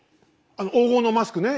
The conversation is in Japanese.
あの黄金のマスクね。